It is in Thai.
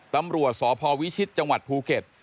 ตำรวจสพวิชิตจังหวัดภูเก็ต